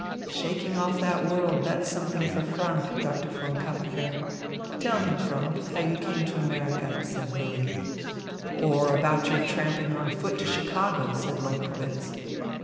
"Shaking off the world, that's something for Franck, Doctor von Kammacher. Tell him, Franck, how you came to America," said Willy. "Or about your tramping on foot to Chicago," said Lobkowitz.